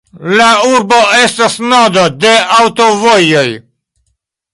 La urbo estas nodo de aŭtovojoj.